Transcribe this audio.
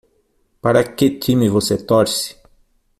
Para que time você torce?